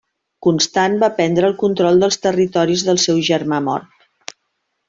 Constant va prendre el control dels territoris del seu germà mort.